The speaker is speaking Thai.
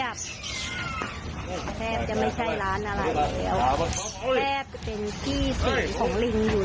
แทบจะไม่ใช่ร้านอะไรเลย